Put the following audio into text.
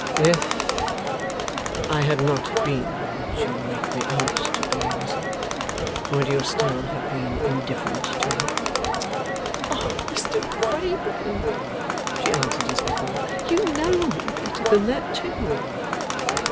'If I had not been what you make me out to be, Lizzie, would you still have been indifferent to me?' 'O Mr Wrayburn,' she answered as before, 'you know me better than that too!